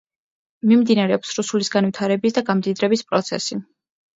მიმდინარეობს რუსულის განვითარების და გამდიდრების პროცესი.